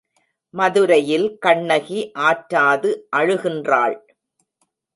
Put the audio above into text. மதுரையில் கண்ணகி ஆற்றாது அழுகின்றாள்.